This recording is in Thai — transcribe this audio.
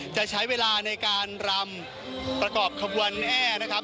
จะใช้เวลาในการรำประกอบขบวนแห้นะครับ